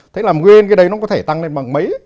thế là nguyên cái đấy nó có thể tăng lên bằng mấy